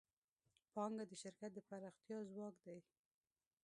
پانګه د شرکت د پراختیا ځواک دی.